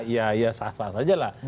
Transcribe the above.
ya ya sah sah saja lah